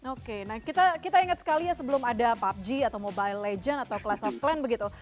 oke nah kita ingat sekali ya sebelum ada pubg atau mobile legends atau class of plan begitu